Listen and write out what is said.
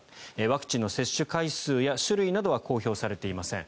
ワクチンの接種回数や種類などは公表されていません。